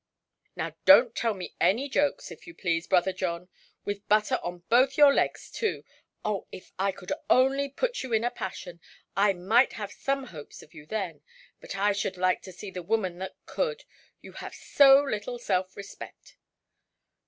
—now donʼt tell me any jokes, if you please, brother John; with butter on both your legs, too! Oh, if I could only put you in a passion! I might have some hopes of you then. But I should like to see the woman that could; you have so little self–respect".